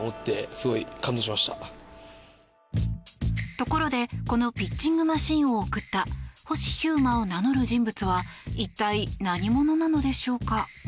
ところでこのピッチングマシンを送った星飛雄馬を名乗る人物は一体、何者なのでしょうか。